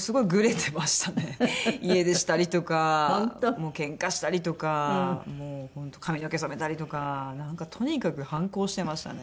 もうけんかしたりとかもう本当髪の毛染めたりとかなんかとにかく反抗してましたね。